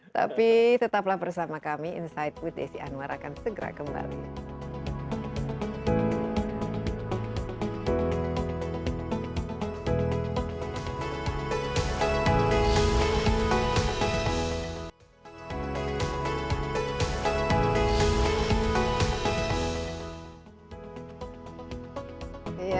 tapi tetaplah bersama kami insight with desi anwar akan segera kembali